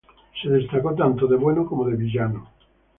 Se destacó, tanto de bueno como de villano.